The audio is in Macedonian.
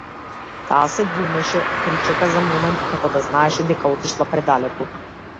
Таа се двоумеше, причека за момент, како да знаеше дека отишла предалеку.